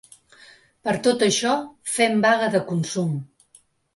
Per tot això: fem vaga de consum.